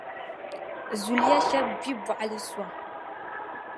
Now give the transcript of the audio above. Zuliya shɛb’ gbi bɔɣili sɔŋ.